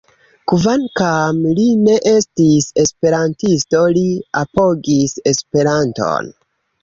Kvankam li ne estis esperantisto, li apogis Esperanton.